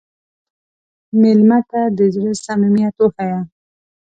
مېلمه ته د زړه صمیمیت وښیه.